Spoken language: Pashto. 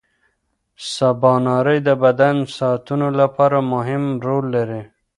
سباناري د بدن ساعتونو لپاره مهمه رول لري.